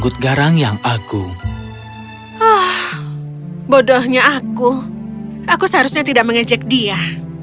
hah bodohnya aku aku seharusnya tidak mengejek dia